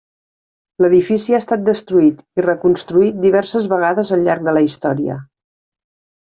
L'edifici ha estat destruït i reconstruït diverses vegades al llarg de la història.